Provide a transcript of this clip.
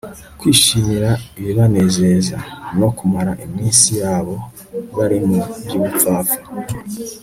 kwishimira ibibanezeza, no kumara iminsi yabo bari mu by'ubupfapfa